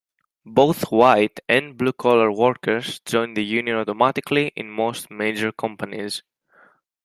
Both white- and blue-collar workers join the union automatically in most major companies.